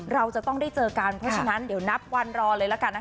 เราจะต้องได้เจอกันเพราะฉะนั้นเดี๋ยวนับวันรอเลยละกันนะคะ